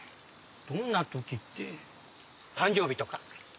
どんな時って誕生日とか。